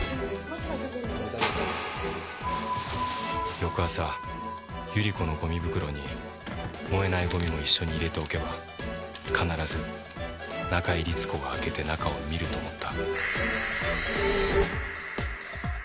翌朝百合子のゴミ袋に燃えないゴミも一緒に入れておけば必ず中井律子が開けて中を見ると思った。